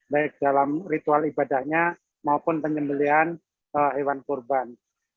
baik dalam ritual ibadahnya maupun penyembelian hewan kurban